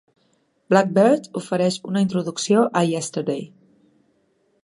"Blackbird" ofereix una introducció a "Yesterday".